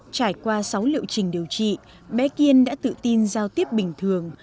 trải qua sáu liệu trình điều trị bé kiên đã tự tin giao tiếp bình thường